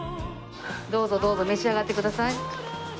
どうぞどうぞ召し上がってください。